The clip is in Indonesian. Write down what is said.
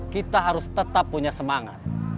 kita harus tetap punya semangat